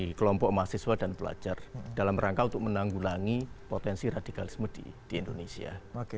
bagi kelompok mahasiswa dan pelajar dalam rangka untuk menanggulangi potensi radikalisme di indonesia